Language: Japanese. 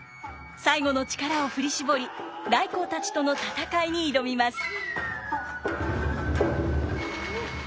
最後の力を振り絞り頼光たちとの戦いに挑みます。